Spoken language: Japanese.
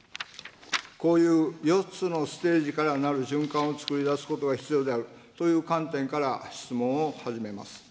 こういう４つのステージからなる循環を作り出すことが必要であるという観点から質問を始めます。